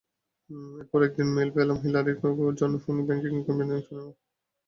এরপর একদিন মেইল পেলাম হিলারির জন্য ফোন ব্যাংকিং ক্যাম্পেইনে অংশ নেওয়ার।